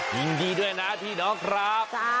ยิ่งดีด้วยนะที่ดอกครับ